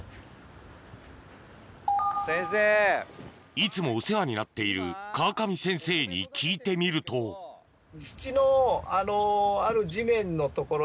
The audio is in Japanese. いつもお世話になっている川上先生に聞いてみると頭いいな。